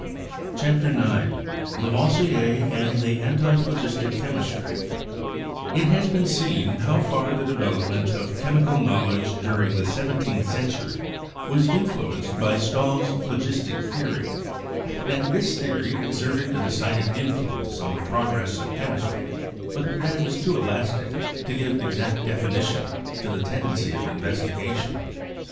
CHAPTER IX LAVOISIER AND THE ANTIPHLOGISTIC CHEMISTRY It has been seen how far the development of chemical knowledge during the seventeenth century was influenced by Stahl's phlogistic theory — that this theory exerted a de cided influence on the progress of chemistry, but that it was too elastic to give exact definition to the tendency of investigation.